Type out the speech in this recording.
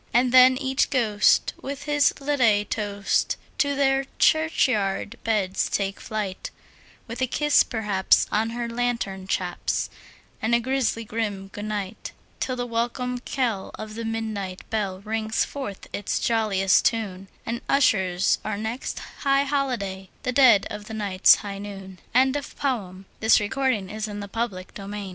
And then each ghost with his ladye toast to their churchyard beds take flight, With a kiss, perhaps, on her lantern chaps, and a grisly grim "good night"; Till the welcome knell of the midnight bell rings forth its jolliest tune, And ushers our next high holiday—the dead of the night's high noon! THE HUMANE MIKADO A MORE humane Mikado never Did in Japan